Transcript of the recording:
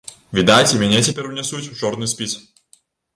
Відаць, і мяне цяпер унясуць у чорны спіс.